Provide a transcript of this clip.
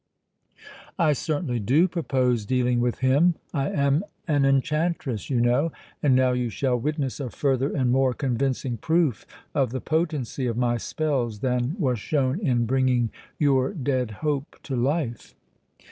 "I certainly do propose dealing with him! I am an enchantress, you know, and now you shall witness a further and more convincing proof of the potency of my spells than was shown in bringing your dead hope to life!"